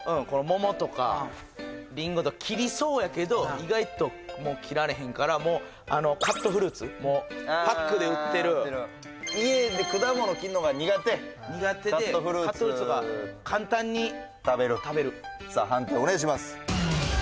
桃とかりんごとか切りそうやけど意外と切られへんからもうカットフルーツパックで売ってる家で果物切んのが苦手カットフルーツ苦手でカットフルーツとか簡単に食べるさあ判定お願いします！